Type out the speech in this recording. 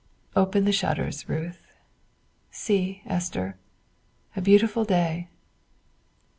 Open the shutters, Ruth; see, Esther; a beautiful day."